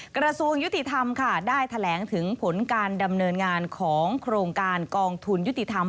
กระทรวงยุติธรรมค่ะได้แถลงถึงผลการดำเนินงานของโครงการกองทุนยุติธรรม